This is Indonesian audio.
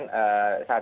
saat ini kita lihat